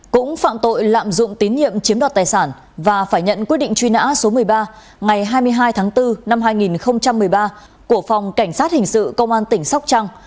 cũng phạm tội lạm dụng tín nhiệm chiếm đoạt tài sản và phải nhận quyết định truy nã số một mươi ba ngày hai mươi hai tháng bốn năm hai nghìn một mươi ba của phòng cảnh sát hình sự công an tỉnh sóc trăng